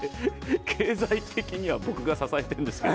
経済的には僕が支えてるんですけど。